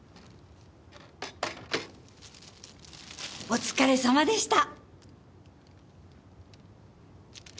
お疲れさまでした！